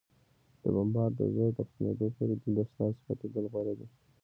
د بمبار د زور تر ختمېدو پورې، دلته ستاسو پاتېدل غوره دي.